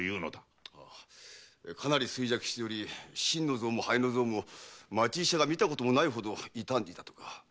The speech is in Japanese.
かなり衰弱しており心の臓も肺の臓も町医者が見たこともないほど痛んでいたとか。